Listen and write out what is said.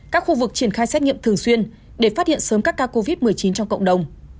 các khu vực triển khai xét nghiệm thường xuyên để phát hiện sớm các ca covid một mươi chín trong cộng đồng